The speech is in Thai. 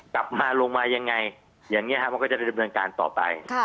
กลับมาลงมายังไงอย่างนี้ครับมันก็จะได้ดำเนินการต่อไป